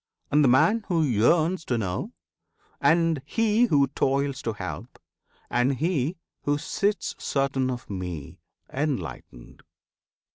and the man who yearns to know; And he who toils to help; and he who sits Certain of me, enlightened.